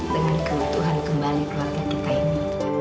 dengan kebutuhan kembali keluarga kita ini